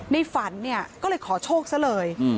ในฝันก็เลยขอโชคซะเลย